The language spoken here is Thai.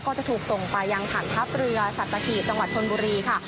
ก็จะถูกส่งไปยังฐานทัพเรือสัตหีบจังหวัดชนบุรีค่ะ